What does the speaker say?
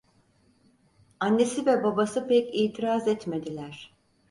Annesi ve babası pek itiraz etmediler.